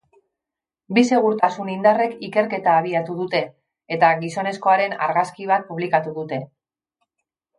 Bi segurtasun indarrek ikerketa abiatu dute, eta gizonezkoaren argazki bat publikatu dute.